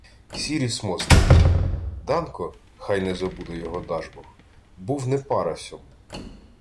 — Сірі смо з таким. Данко, хай не забуде його Дажбог, був не пара сьому.